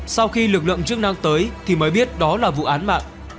sau khi lực lượng chức năng tới thì mới biết đó là vụ án mạng